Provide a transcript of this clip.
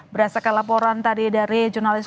berdasarkan laporan tadi dari jurnalis